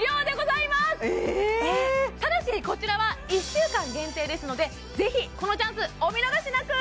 ただしこちらは１週間限定ですのでぜひこのチャンスお見逃しなく！